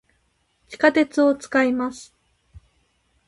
地下鉄を、使います。